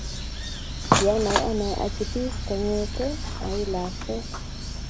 Kianai ane achipis kongete ai lakwet